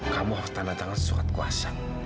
kamu harus tanda tangan surat kuasa